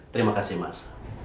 terima kasih mas